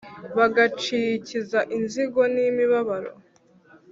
bagacikiza inzigo ni imibabaro